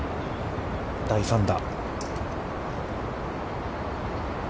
第３打。